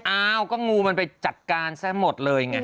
อ้าวก็งูมันไปจัดการซะหมดเลยไง